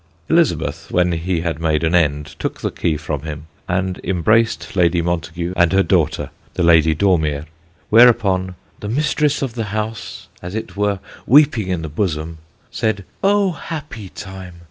Elizabeth, when he had made an end, took the key from him and embraced Lady Montagu and her daughter, the Lady Dormir; whereupon "the mistress of the house (as it were weeping in the bosome) said, 'O happie time!